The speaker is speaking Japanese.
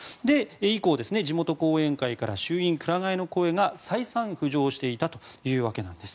以降、地元後援会から衆院くら替えの声が再三浮上していたというわけなんです。